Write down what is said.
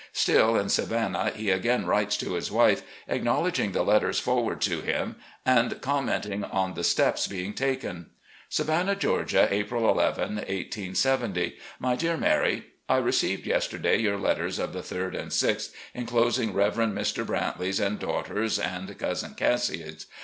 Still, in Savannah, he again writes to his wife acknowledging the letters forwarded to him and commenting on the steps being taken: "Savannah, Georgia, April ii, 1870. "My Dear Mary: I received yesterday your letters of the 3d and 6th, inclosing Reverend Mr. Brantley's and daughter's and Cassius Lee's.